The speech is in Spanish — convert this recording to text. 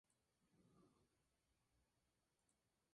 El clima es templado-árido.